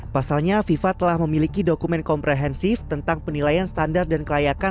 pasalnya fifa telah memiliki dokumen komprehensif tentang penilaian standar dan kelayakan